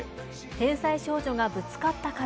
天才少女がぶつかった壁。